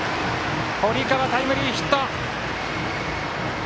堀川、タイムリーヒット。